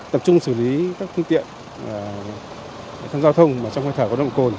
tập trung xử lý các phương tiện tham gia thông trong khoai thảo có động cồn